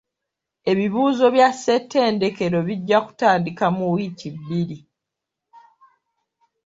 Ebibuuzo bya ssettendekero bijja kutandika mu wiiki bbiri.